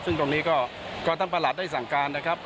ซึ่งตรงนี้ก็ท่านประหลัดได้สั่งการนะครับ